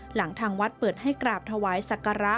หลังทางวัดเปิดให้กราบถวายศักระ